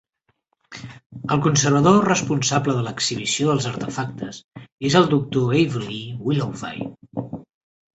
El conservador responsable de l'exhibició dels artefactes és el Dr. Avalee Willoughby.